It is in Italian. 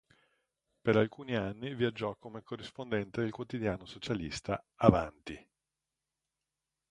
Per alcuni anni viaggiò, come corrispondente del quotidiano socialista "Avanti!